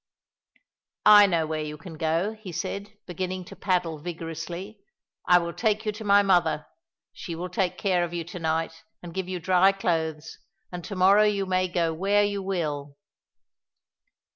"I know where you can go," he said, beginning to paddle vigorously, "I will take you to my mother. She will take care of you to night and give you dry clothes, and to morrow you may go where you will."